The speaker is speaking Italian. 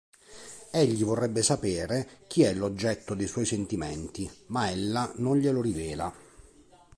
Egli vorrebbe sapere chi è l'oggetto dei suoi sentimenti ma ella non glielo rivela.